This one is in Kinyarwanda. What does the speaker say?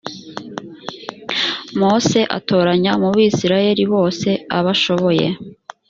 mose atoranya mu bisirayeli bose abashoboye